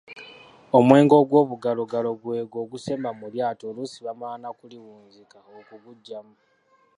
Omwenge ogw'obugalogalo gw'egwo ogusemba mu lyato oluusi bamala na kuliwunzika okuguggyamu.